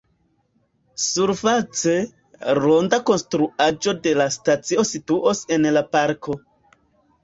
Surface, ronda konstruaĵo de la stacio situos en la parko.